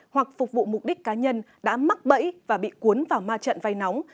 hoặc phục vụ mục đích cá nhân đã mắc bẫy và bị cuốn vào ma trận vay nóng